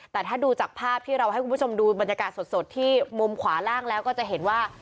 แต่ถ้าดูจากภาพที่เราให้คุณผู้ชมดูบรรยากาศสดที่มุมขวาล่างแล้วก็จะเห็นว่า